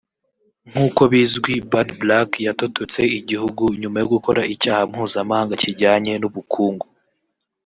“Nk’uko bizwi Bad Black yatototse igihugu nyuma yo gukora icyaha mpuzamahanga kijyanye n’ubukungu